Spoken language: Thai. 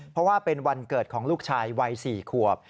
เพราะว่าเป็นวันเกิดของลูกชายวัย๔ขวบ